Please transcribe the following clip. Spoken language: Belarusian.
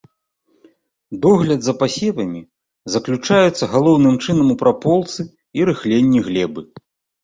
Догляд за пасевамі заключаецца галоўным чынам у праполцы і рыхленні глебы.